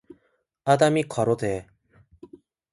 아담이 가로되